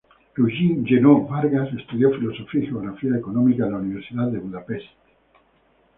Eugen "Jenő" Varga estudió filosofía y geografía económica en la Universidad de Budapest.